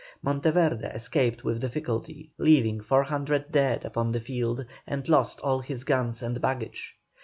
Monteverde escaped with difficulty, leaving 400 dead upon the field, and lost all his guns and baggage.